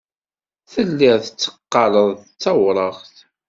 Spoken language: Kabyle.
Tellid tetteqqaled d tawraɣt.